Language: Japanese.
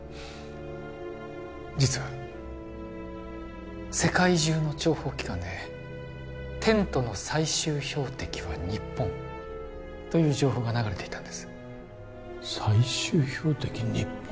実は世界中の諜報機関で「テントの最終標的は日本」という情報が流れていたんです最終標的日本？